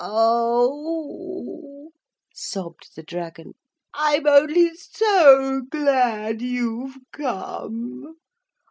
'Oh!' sobbed the dragon, 'I'm only so glad you've come.